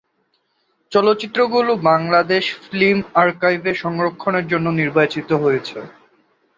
চলচ্চিত্রগুলো বাংলাদেশ ফিল্ম আর্কাইভে সংরক্ষণের জন্য নির্বাচিত হয়েছে।